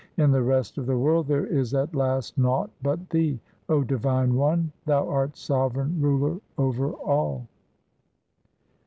In the rest of the world there is at last naught but Thee ; O divine One, Thou art Sovereign Ruler over all.